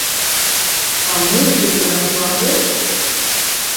А можа, і наадварот.